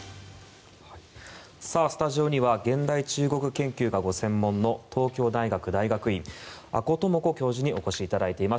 スタジオには現代中国研究がご専門の東京大学大学院阿古智子教授にお越しいただいています。